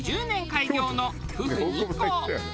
開業のふふ日光。